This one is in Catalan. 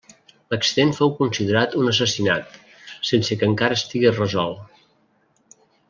L'accident fou considerat un assassinat, sense que encara estigui resolt.